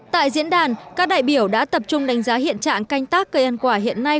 tại diễn đàn các đại biểu đã tập trung đánh giá hiện trạng canh tác cây ăn quả hiện nay